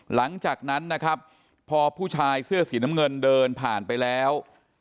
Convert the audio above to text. หลังจากนั้นนะครับพอผู้ชายเสื้อสีน้ำเงินเดินผ่านไปแล้ว